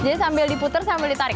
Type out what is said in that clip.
jadi sambil diputer sambil ditarik